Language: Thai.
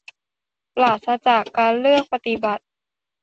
ปราศจากการเลือกปฏิบัติ